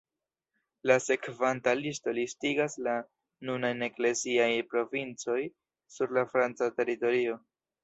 La sekvanta listo listigas la nunajn ekleziaj provincoj sur la franca teritorio.